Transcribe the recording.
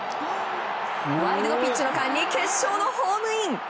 ワイルドピッチの間に決勝のホームイン。